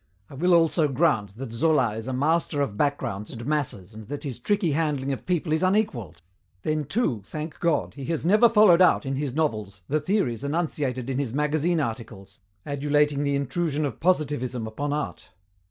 I will also grant that Zola is a master of backgrounds and masses and that his tricky handling of people is unequalled. Then, too, thank God, he has never followed out, in his novels, the theories enunciated in his magazine articles, adulating the intrusion of positivism upon art.